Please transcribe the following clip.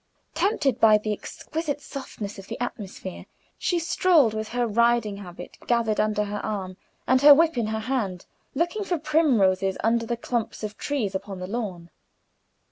Tempted by the exquisite softness of the atmosphere, she strolled, with her riding habit gathered under her arm and her whip in her hand, looking for primroses under the clumps of trees upon the lawn.